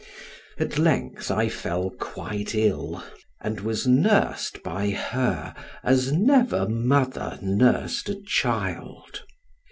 At length I fell quite ill, and was nursed by her as never mother nursed a child.